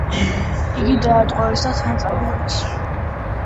იგი დაატყვევეს და თან წაიყვანეს.